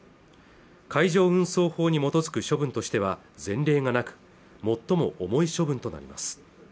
海上運送法に基づく処分としては前例がなく最も重い処分となります